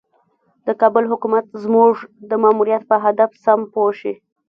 د کابل حکومت زموږ د ماموریت په هدف سم پوه شي.